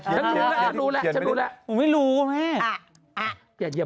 ฉันรู้แหละฉันรู้แหละ